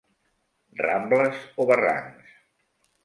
Rambles o barrancs.